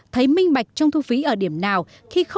bảy ngày bình quân là bao nhiêu bây giờ